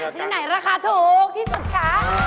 ที่ไหนราคาถูกที่สุดคะ